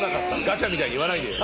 ガチャみたいに言わないでよ。